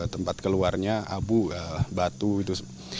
tempat keluarnya abu batu itu